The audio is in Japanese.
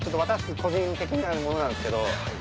個人的なものなんですけど。